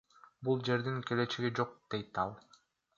Бул жердин келечеги жок, — дейт ал.